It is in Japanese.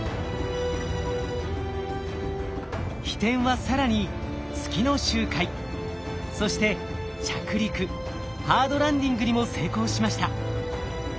ひてんは更に月の周回そして着陸・ハードランディングにも成功しました。